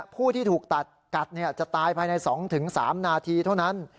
ผู้ที่ถูกตัดกัดจะตายภายใน๒๓นาทีเท่านั้น